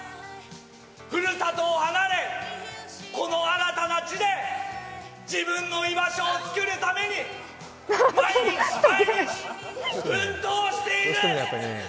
ふるさとを離れ、この新たな地で自分の居場所を作るために毎日毎日、奮闘している。